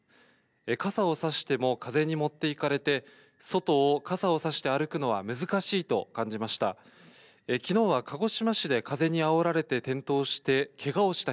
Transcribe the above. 傘を差しても風に持っていかれて、外を傘を差して歩くのは難しいと感じました。